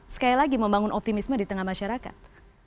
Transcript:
sekali lagi membangun optimisme di tengah masyarakat